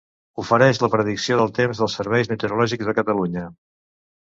Ofereix la predicció del temps del Servei Meteorològic de Catalunya.